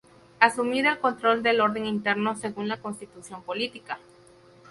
Asumir el control del orden interno, según la Constitución Política.